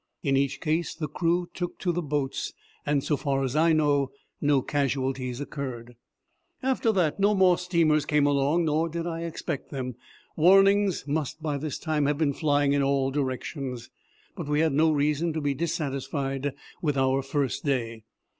In each case the crew took to the boats, and so far as I know no casualties occurred. After that no more steamers came along, nor did I expect them. Warnings must by this time have been flying in all directions. But we had no reason to be dissatisfied with our first day.